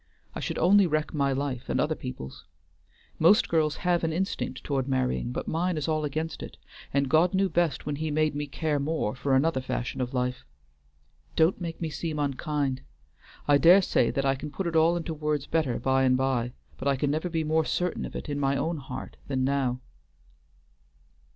I should only wreck my life, and other people's. Most girls have an instinct towards marrying, but mine is all against it, and God knew best when He made me care more for another fashion of life. Don't make me seem unkind! I dare say that I can put it all into words better by and by, but I can never be more certain of it in my own heart than now."